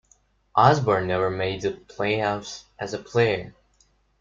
Osborne never made the playoffs as a player.